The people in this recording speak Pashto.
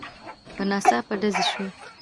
يو ناڅاپه ډزې شوې.